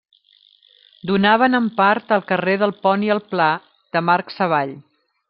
Donaven en part al carrer del Pont i el Pla de Marc Savall.